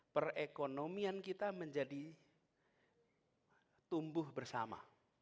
perekonomian kita menjadi tumbuh bersama